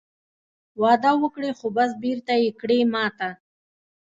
وعده وکړې خو بس بېرته یې کړې ماته